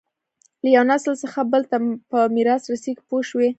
له یوه نسل څخه بل ته په میراث رسېږي پوه شوې!.